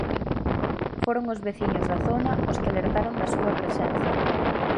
Foron os veciños da zona os que alertaron da súa presenza.